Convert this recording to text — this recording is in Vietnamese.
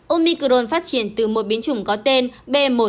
omicron phát triển từ một biến chủng có tên b một một